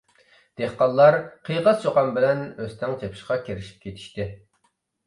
دېھقانلار قىيقاس چۇقان بىلەن ئۆستەڭ چېپىشقا كىرىشىپ كېتىشتى.